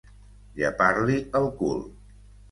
Llepar-li el cul.